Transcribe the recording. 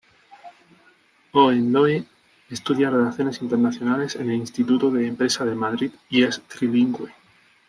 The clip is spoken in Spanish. Hohenlohe estudia Relaciones Internacionales en el Instituto de Empresa de Madrid y es trilingüe.